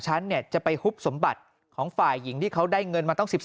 ฉันเนี่ยจะไปฮุบสมบัติของฝ่ายหญิงที่เขาได้เงินมาตั้ง๑๒